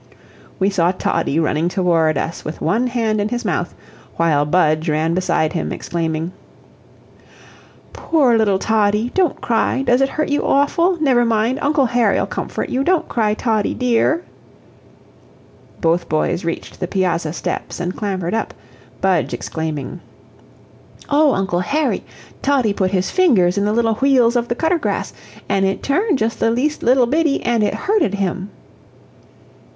We saw Toddie running towards us with one hand in his mouth, while Budge ran beside him, exclaiming: "POOR little Toddie! Don't cry! DOES it hurt you awful? Never mind Uncle Harry'll comfort you. Don't cry, Toddie DE ar!" Both boys reached the piazza steps, and clambered up, Budge exclaiming: "O, Uncle Harry, Toddie put his fingers in the little wheels of the cutter grass, an' it turned just the least little biddie, an' it hurted him."